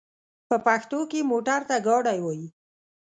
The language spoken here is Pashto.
په پښتو کې موټر ته ګاډی وايي.